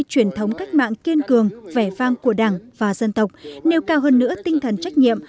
truyền thống cách mạng kiên cường vẻ vang của đảng và dân tộc nêu cao hơn nữa tinh thần trách nhiệm